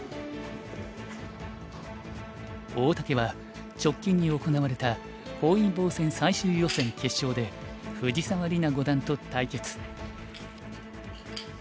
大竹は直近に行われた本因坊戦最終予選決勝で藤沢里菜五段と対決。